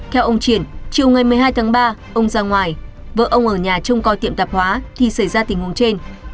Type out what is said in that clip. theo ông triển chiều ngày một mươi hai tháng ba ông ra ngoài vợ ông ở nhà trông coi tiệm tạp hóa thì xảy ra tình huống trên